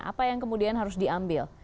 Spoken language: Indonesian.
apa yang kemudian harus diambil